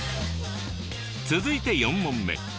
続いて４問目。